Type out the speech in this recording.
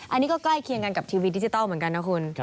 อันนี้ก็ใกล้เคียงกันกับทีวีดิจิทัลเหมือนกันนะคุณ